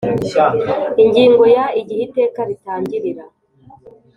Ingingo ya Igihe Iteka ritangira